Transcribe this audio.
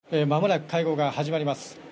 まもなく会合が始まります。